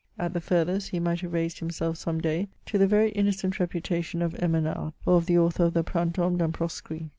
At the furthest, he might have raised himself some day to the very innocent reputation of Esmenard, or of the author of the Printemps d*un Proscrit.